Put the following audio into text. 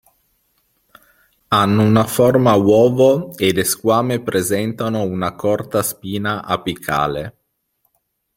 Hanno una forma a uovo e le squame presentano una corta spina apicale.